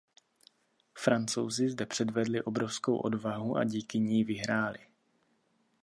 Francouzi zde předvedli obrovskou odvahu a i díky ní vyhráli.